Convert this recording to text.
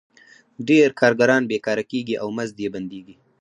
ډېر کارګران بېکاره کېږي او مزد یې بندېږي